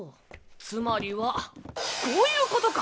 つまりはこういうことか！